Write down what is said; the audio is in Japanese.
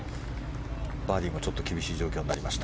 バーディーもちょっと厳しい状況になりました。